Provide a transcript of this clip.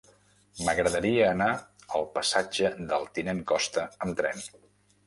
M'agradaria anar al passatge del Tinent Costa amb tren.